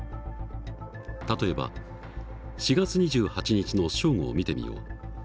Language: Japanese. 例えば４月２８日の正午を見てみよう。